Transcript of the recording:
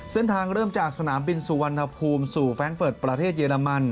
เส้นทางเริ่มจากสนามบินสุวรรณภูมิสู่แฟรงค์เฟิร์ตประเทศเยอรมัน